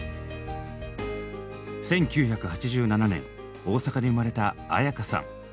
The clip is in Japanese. １９８７年大阪に生まれた絢香さん。